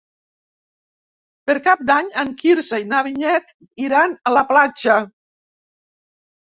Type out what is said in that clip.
Per Cap d'Any en Quirze i na Vinyet iran a la platja.